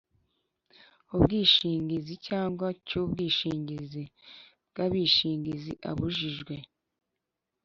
ubwishingizi cyangwa cy’ubwishingizi bw’abishingizi abujijwe